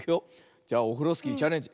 じゃオフロスキーチャレンジ。